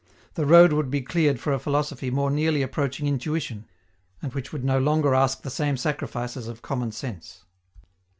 The road would be cleared for a philosophy more nearly approaching intuition, and which would no longer ask the same sacrifices of common sense.